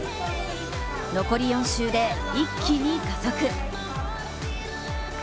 残り４周で一気に加速。